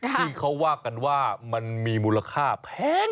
ซึ่งเขาว่ากันว่ามันมีมูลค่าแพง